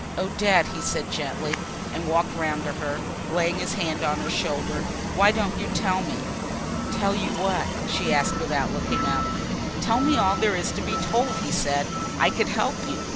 "Odette," he said gently and walked round to her, laying his hand on her shoulder. "Why don't you tell me?" "Tell you what?" she asked, without looking up. "Tell me all there is to be told," he said. "I could help you.